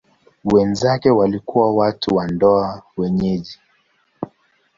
Wenzake walikuwa watu wa ndoa wenyeji.